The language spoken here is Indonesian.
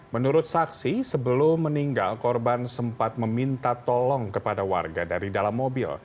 menurut saksi sebelum meninggal korban sempat meminta tolong kepada warga dari dalam mobil